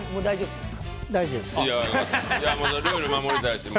ルール守りたいしね。